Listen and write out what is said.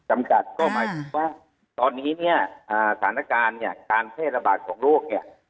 จำกัดก็หมายถึงว่าตอนนี้เนี่ยสถานการณ์เนี่ยการแพร่ระบาดของโรคเนี่ย